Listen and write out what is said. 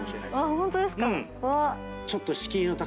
ホントですか⁉わ！